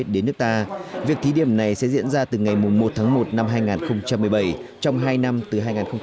đến nước ta việc thí điểm này sẽ diễn ra từ ngày một tháng một năm hai nghìn một mươi bảy trong hai năm từ hai nghìn một mươi bảy hai nghìn một mươi tám